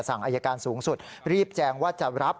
อายการสูงสุดรีบแจงว่าจะรับ